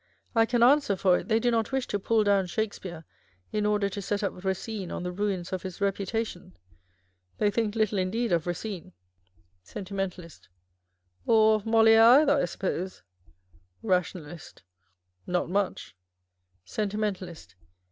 I can answer for it, they do not wish to pull down Shakespeare in order to set up Eacine on the ruins of his reputation. They think little indeed of Eacine. Sentimentalist. Or of Molierc either, I suppose ? nationalist. Not much. Sentimentalist.